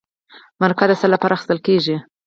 مرکه د څه لپاره اخیستل کیږي؟